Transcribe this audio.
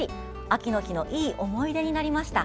秋の日のいい思い出になりました。